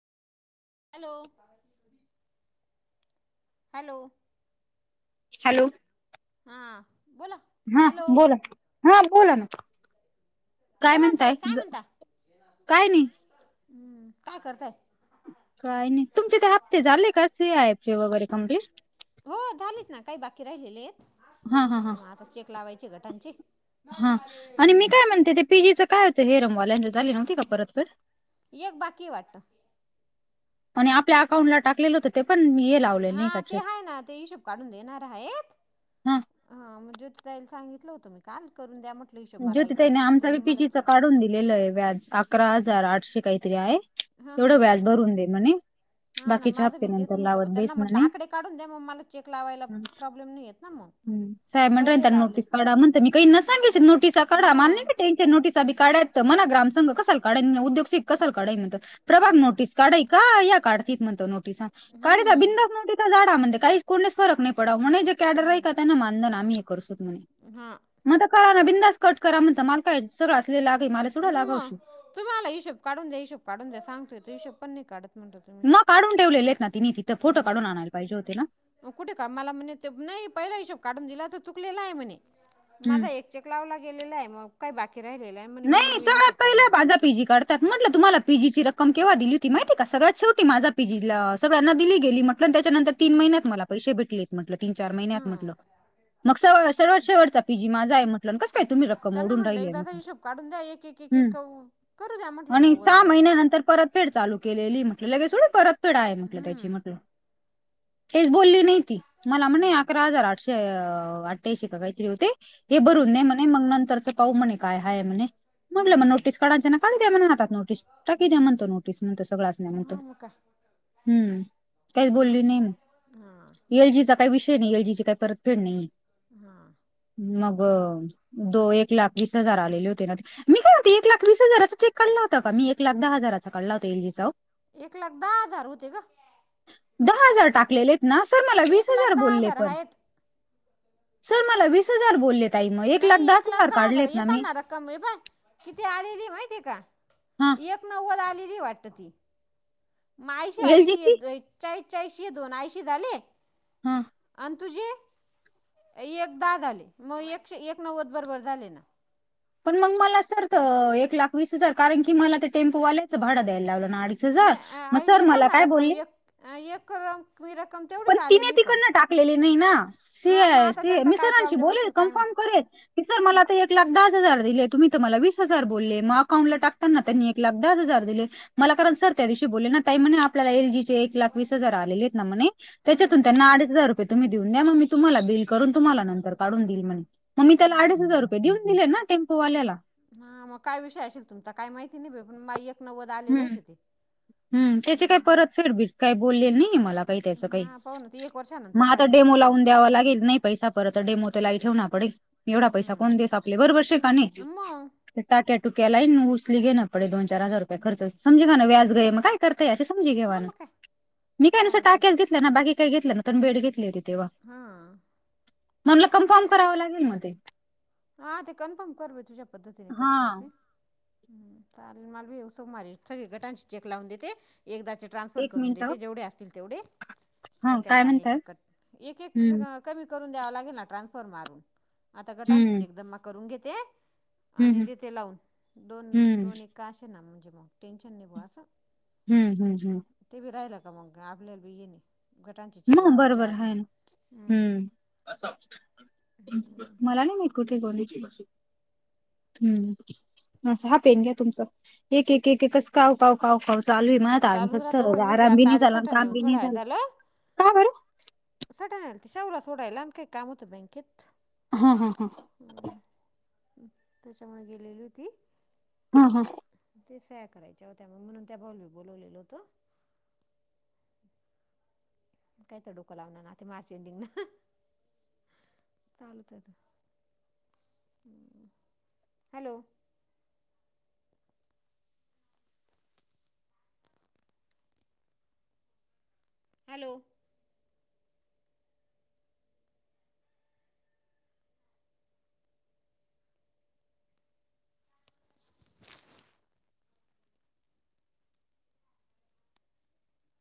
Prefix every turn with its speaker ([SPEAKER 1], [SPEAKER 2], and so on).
[SPEAKER 1] Hello... hello..
[SPEAKER 2] hello
[SPEAKER 1] हां बोला,
[SPEAKER 2] हां
[SPEAKER 1] हॅलो
[SPEAKER 2] बोला, हा बोला ना. काय
[SPEAKER 1] बोला ना
[SPEAKER 2] म्हणताय
[SPEAKER 1] ताई काय म्हणता,
[SPEAKER 2] काय नाही
[SPEAKER 1] हं काय करताय?
[SPEAKER 2] काय नाही, तुमचे ते हफ्ते झाले का सी. आय. पी. वगैरे कम्प्लीट?
[SPEAKER 1] ''हो झालीत ना, काही बाकी राहिलेले आहेत
[SPEAKER 2] हा
[SPEAKER 1] बघू
[SPEAKER 2] हा
[SPEAKER 1] म्हंटल मग आता चेक लावायचे गटांचे. ''
[SPEAKER 2] हां, आणि मी काय म्हणते ते पीजीचं काय होतं हेरमवा- लग्न झाली नव्हती का परत पर,
[SPEAKER 1] एक बाकी वाटत
[SPEAKER 2] आणि आप- ''आपल्या अकाउंटला टाकलेलं होत, ते पण मी हे लावले
[SPEAKER 1] हा
[SPEAKER 2] नाही का
[SPEAKER 1] ते
[SPEAKER 2] चेक, ''
[SPEAKER 1] आहे ना ते हिशोब काढून देणार आहेत
[SPEAKER 2] हां
[SPEAKER 1] हा, म्हनजे तू त्याला सांगितलं होतं. म- काल करून द्या म्हटलं इ-
[SPEAKER 2] ''ज्योतिताईने आमचा बी पीजीच काढून दिलेलं आहे व्याज, अकरा हजार आठशे काहीतरी आहे. ''
[SPEAKER 1] हा हा
[SPEAKER 2] तेवढं व्याज
[SPEAKER 1] हा
[SPEAKER 2] भरून दे म्हणे,
[SPEAKER 1] ''हा ना,
[SPEAKER 2] बाकीच्या
[SPEAKER 1] माझं
[SPEAKER 2] हप्ते
[SPEAKER 1] भी तीच
[SPEAKER 2] नंतर
[SPEAKER 1] म्हटलं, मग
[SPEAKER 2] लावत बेस
[SPEAKER 1] त्यांना म्हटलं
[SPEAKER 2] म्हणे
[SPEAKER 1] आकडे काढून द्या, मग मला चेक लावायला प्रॉब्लेम नाही येत ना मग. ''
[SPEAKER 2] हं, साहेब म्हनीरायंता नोटीस काढा, म्हनतं मी काही ना सांगेसे नोटीस, ''चा काढा माल नाही
[SPEAKER 1] मग
[SPEAKER 2] का टेन्शन, नोटीसा बी काढात, म्हणा ग्रामसंघ कसाले काढीन उद्योगशी कसाले काढायीन म्हणत. '' ''प्रभाग
[SPEAKER 1] हम्म
[SPEAKER 2] नोटीस काढायी का, या काढती म्हनत नोटीसा काढी द्या
[SPEAKER 1] हम्म
[SPEAKER 2] बिंदास नोटीस, '' ''काडा म्हणजे काही कोणलेस फरक नाही पडाव म्हने, जे कॅडर राही का त्यांना मान आम्ही करसूत म्हने. ''
[SPEAKER 1] हां
[SPEAKER 2] ''म्हणत करा ना बिंदास कट करा, म्हणत माल काय सगळासले लागी मले थोडं लागावशी. ''
[SPEAKER 1] ''तुम्हाला हिशोब काढून द्या, हिशोब काढून द्या, सांगतोय ते हिशोब पण नाही काढत म्हणत तुम्ही. ''
[SPEAKER 2] मग ''काढून ठेवलेले आहे तिने, तिथ फोटो काढून आणायला पाहिजे होते ना, ''
[SPEAKER 1] मग कुठे का मला म्हणे, नाही पहिला हिशोब काढून दिला तर चूकलेला आहे म्हणे,
[SPEAKER 2] हम्म
[SPEAKER 1] माझा एक- ''चेक लावला गेलेला आहे मग, काही बाकी राहिलेलं आहे म्हणे मी
[SPEAKER 2] नाही
[SPEAKER 1] नवीन
[SPEAKER 2] सगळ्यात
[SPEAKER 1] हिशोब
[SPEAKER 2] पहिला
[SPEAKER 1] काढून देते. ''
[SPEAKER 2] माझा पीजी काढतात, म्हटलं तुम्हाला पीजीची रक्कम केव्हा दिली होती माहिती हाय का, सगळ्यात शेवटी माझा पीजीला सगळ्यांना दिली गेली म्हट- त्याच्यांतर तीन
[SPEAKER 1] हम्म
[SPEAKER 2] महिन्यात पैसे भेटलेत म्हटलं, तीन चार
[SPEAKER 1] हा
[SPEAKER 2] महिन्यात म्हटलं. ''मग सगळं सर्व शेवटचा पीजी माझा आहे, म्हटलं कस काय तुम्ही रक्कम
[SPEAKER 1] त्यांना
[SPEAKER 2] ओढून
[SPEAKER 1] म्हटलं
[SPEAKER 2] राहिलीय
[SPEAKER 1] एकदा आता
[SPEAKER 2] म्हटल. ''
[SPEAKER 1] हिशोब काढून द्या एक-एक-एक करू द्या म्हंटलं मग वर्ग,
[SPEAKER 2] नंतर परतफेड चालू केलेली म्हटलं. लगेच थोडी परतफेड आहे म्हटलं त्याची
[SPEAKER 1] हम्म
[SPEAKER 2] म्हटलं. काहीच बोलली नाही ती. मला म्हणे
[SPEAKER 1] हम्म
[SPEAKER 2] अकरा हजार आठशे अठ्ठ्याऐंशी का काहीतरी होते. हे
[SPEAKER 1] हम्म
[SPEAKER 2] भरून दे म्हणे. मग नंतरचं पाहू म्हणे काय हाय म्हणे.
[SPEAKER 1] हम्म
[SPEAKER 2] म्हटलं मग
[SPEAKER 1] हम्म
[SPEAKER 2] नोटीस काढायचं ना काढू द्या म्हण हातात नोटीस. टाकी द्या
[SPEAKER 1] हम्म
[SPEAKER 2] म्हणतो नोटीस म्हणतो सगळ्यासन म्हणतो. हम्म
[SPEAKER 1] हं. हा.
[SPEAKER 2] एल जी चा काही विषय नाही. एल जी ची काही परतफेड नाही.
[SPEAKER 1] हां.
[SPEAKER 2] मग, दो एक लाख वीस हजार आल नेले होते ना. मी काय म्हणते एक लाख वीस हजारचा चेक काढला होता का मी? एक लाख दहा हजारचा काढला होता एल जी चा ओ?
[SPEAKER 1] एक लाख दहा हजार होते गं.
[SPEAKER 2] दहा हजार टाकलेलेत ना. सर मला वीस
[SPEAKER 1] एक लाख
[SPEAKER 2] हजार
[SPEAKER 1] दहा
[SPEAKER 2] बोलले पण.
[SPEAKER 1] आहेत
[SPEAKER 2] सर मला वीस हजार बोललेत.
[SPEAKER 1] नाही एक लाख दहा हजारे. येताना र क्कम हिबा, किती आलेली माहिती आहे का?
[SPEAKER 2] हा
[SPEAKER 1] एक नव्वद आलेली वाटत ती. मग ऐशी
[SPEAKER 2] एल
[SPEAKER 1] ऐंशी
[SPEAKER 2] जीची
[SPEAKER 1] एक चाळीस चाळीस हे दोन ऐंशी झाले.
[SPEAKER 2] हं.
[SPEAKER 1] अन तुझे एक दहा झाले. मग एकशे एक नव्वद बरोबर झाले ना
[SPEAKER 2] पण मग मला सर तर एक लाख वीस हजार, कारण की मला ते टेम्पोवाल्याचं भाड द्यायला लावलं ना अडीच हजार
[SPEAKER 1] नाही ए
[SPEAKER 2] मग
[SPEAKER 1] आई
[SPEAKER 2] सर मला
[SPEAKER 1] येताना
[SPEAKER 2] काय
[SPEAKER 1] रक्कम
[SPEAKER 2] बोलले
[SPEAKER 1] एक अं एक करम
[SPEAKER 2] पण तिने तिकडन टाकलेली नाही ना.
[SPEAKER 1] हां मग
[SPEAKER 2] ते
[SPEAKER 1] आता
[SPEAKER 2] ते
[SPEAKER 1] त्यांचा
[SPEAKER 2] मी
[SPEAKER 1] काय
[SPEAKER 2] सरांशी
[SPEAKER 1] प्रॉब्लेम
[SPEAKER 2] बोलेन
[SPEAKER 1] असेल काय
[SPEAKER 2] कन्फर्म
[SPEAKER 1] माहिती
[SPEAKER 2] करेल. की सर मला त एक लाख दहाच हजार दिले. तुम्ही तर मला वीस हजार बोलले. मग अकाउंटला टाक ताना त्यांनी एक लाख दहाच हजार दिले. मला कारण सर त्या दिवशी बोलले ना, ताई म्हणे आपल्याला एल जीचे एक लाख वीस हजार आलेलेत ना म्हणे.
[SPEAKER 1] हं, हं,
[SPEAKER 2] त्याच्यातून त्यांना अडीच हजार रुपये तुम्ही देऊन द्या. मग मी तुम्हाला बिल करून, तुम्हाला नंतर काढून देईल म्हणे. मग मी त्याला
[SPEAKER 1] हं.
[SPEAKER 2] अडीच हजार रुपये देऊन दिले ना टेम्पोवाल्याला.
[SPEAKER 1] हां. मग काय विषय असेल तुमचा काही माहिती नाही बाई. पण मा एक नव्वद आलेले होते ते.
[SPEAKER 2] हं. त्याचे काय
[SPEAKER 1] हम्म.
[SPEAKER 2] परत फेड बीड काही बोलले नाही मला. काही त्याच काही,
[SPEAKER 1] हा पाहू ना ते एक वर्षानंतर
[SPEAKER 2] मग आता
[SPEAKER 1] सांग
[SPEAKER 2] डेमो लावून
[SPEAKER 1] परतफेड
[SPEAKER 2] द्यावा
[SPEAKER 1] सांगितली.
[SPEAKER 2] लागेल. नाही पैसा परत. त डेमो त लई ठेवणा पडे. एवढा पैसा
[SPEAKER 1] हम्म
[SPEAKER 2] कोण देस आपले बरोबर शे का नाही?
[SPEAKER 1] मग
[SPEAKER 2] ते टाक्या टुक्या लई न उसली घेण पडे दोन चार हजार रुपये.
[SPEAKER 1] हम्म.
[SPEAKER 2] [unintelligible]
[SPEAKER 1] हा
[SPEAKER 2] [unintelligible]
[SPEAKER 1] मग काय
[SPEAKER 2] मी काय नुसत्या
[SPEAKER 1] चालेल
[SPEAKER 2] टाक्याच
[SPEAKER 1] त्याची
[SPEAKER 2] घेतल्या ना. बाकी काही घेतल्या नाही, बेड घेतली होती तेव्हा.
[SPEAKER 1] हं.
[SPEAKER 2] म्हणलं कन्फर्म करावं लागेल मग ते.
[SPEAKER 1] हा ते कन्फर्म कर बाई तुझ्या पद्धतीने,
[SPEAKER 2] हा
[SPEAKER 1] कसं काय ते. हं, चालेल माल बी ऊ सोममारी सगळी गटांशी चेक लावून देते. एकदाचे ट्रान्स्फर
[SPEAKER 2] एक
[SPEAKER 1] करून
[SPEAKER 2] मिनिट
[SPEAKER 1] देते जेवढे असतील तेवढे.
[SPEAKER 2] हा
[SPEAKER 1] डोक्याला
[SPEAKER 2] काय
[SPEAKER 1] तान
[SPEAKER 2] म्हणताय
[SPEAKER 1] एक एक कट, एक एक
[SPEAKER 2] हम्म
[SPEAKER 1] ट्रा कमी करून द्यावा लागेल ना ट्रान्सफर मारून. आता गटांची
[SPEAKER 2] हम्म
[SPEAKER 1] चेक जमा करून घेते. आणि
[SPEAKER 2] हम्म
[SPEAKER 1] देते लावून. दोन
[SPEAKER 2] हम्म
[SPEAKER 1] दोन एक का अशे ना म्हणजे मग टेन्शन नाही भा असं.
[SPEAKER 2] हं हं हं.
[SPEAKER 1] ते बी राहिलं का मग आपल्याला बी हे नही.
[SPEAKER 2] मग बरोबर हाय ना.
[SPEAKER 1] हम्म
[SPEAKER 2] हं. मला नाही माहित, कुठे गेली ती? हं. अस हा पेन घ्या तुमचा. एक एक एक एक कस काव काव काव काव चालुये. महा त आज
[SPEAKER 1] चालू
[SPEAKER 2] नुसत
[SPEAKER 1] राहतं
[SPEAKER 2] थर
[SPEAKER 1] बाई मी
[SPEAKER 2] आराम नाही झालं आणि काम बी नाही झालं. का बरं?
[SPEAKER 1] [inaudible] नाही शौर्याला सोडायला आणि काही काम होतं बँकेत?
[SPEAKER 2] हा हम हा.
[SPEAKER 1] ह त्याच्यामुळे गेलेली होती.
[SPEAKER 2] हा हा
[SPEAKER 1] तीच सह्या करायच्या होत्या म्हणून मी त्या भाऊला बोलवलं होतं. काय तर डोकं लावणार ना ते मार्च एंडिंग ना, चालते. Hello hello [inaudible]